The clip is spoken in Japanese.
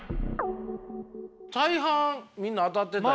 大半みんな当たってたよ。